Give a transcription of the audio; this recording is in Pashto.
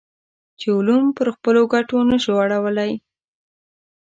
چې علوم پر خپلو ګټو نه شو اړولی.